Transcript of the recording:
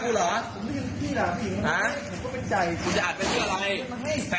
คุณจะอาจเป็นเพื่ออะไร